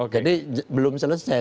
jadi belum selesai